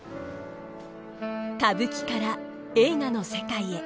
歌舞伎から映画の世界へ。